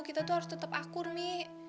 kita tuh harus tetep akur mi